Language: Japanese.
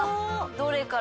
どれから？